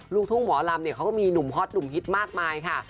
ลูกทุ่งหมอลำเนี่ยเขาก็มีหนุ่มฮอตหนุ่มฮิตมากมายค่ะ